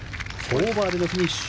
４オーバーでのフィニッシュ